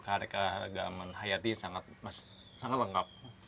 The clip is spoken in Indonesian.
keanekaragaman hayatnya sangat lengkap